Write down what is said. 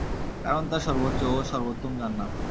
কারণ তা সর্বোচ্চ ও সর্বোত্তম জান্নাত।